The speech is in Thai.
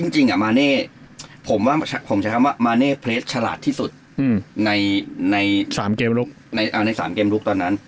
จริงอ่ะมาเน่ผมจะคำว่ามาเน่เพลสฉลาดที่สุดใน๓เกมรุกตอนนั้น